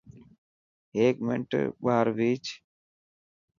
هيڪ منٽ ٻاهر ڀيچ.